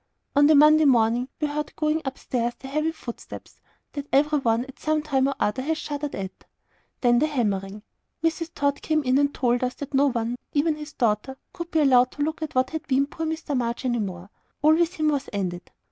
On the Monday morning we heard going up stairs the heavy footsteps that every one at some time or other has shuddered at; then the hammering. Mrs. Tod came in, and told us that no one not even his daughter could be allowed to look at what had been "poor Mr. March," any more. All with him was ended.